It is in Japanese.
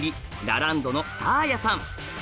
ラランドのサーヤさん。